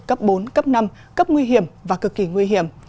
cấp bốn cấp năm cấp nguy hiểm và cực kỳ nguy hiểm